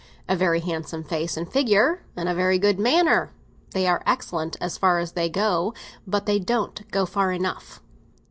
A very handsome face and figure, and a very good manner. They are excellent as far as they go, but they don't go far enough."